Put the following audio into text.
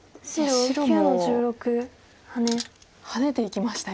白もハネていきましたよ。